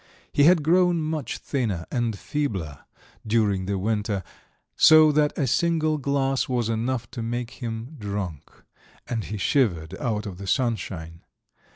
He had grown much thinner and feebler during the winter, so that a single glass was enough to make him drunk, and he shivered out of the sunshine.